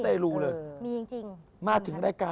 มาถึงรายการมีโอกาสเจอพ่อหมอรักนะ